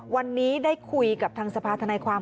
วันนี้ได้คุยกับทางสภาธนายความ